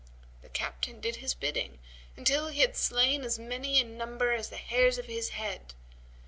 The Captain did his bidding until he had slain as many in number as the hairs of his head.